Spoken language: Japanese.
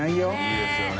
いいですよね。